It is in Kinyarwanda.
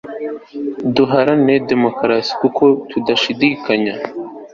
duharanira demokarasi kuko tudashidikanya